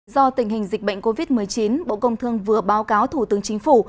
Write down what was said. do tình hình dịch bệnh covid một mươi chín bộ công thương vừa báo cáo thủ tướng chính phủ